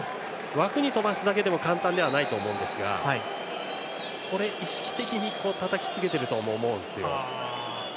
枠に飛ばすだけでも簡単ではないと思うんですが意識的にたたきつけているとも思うんですよ。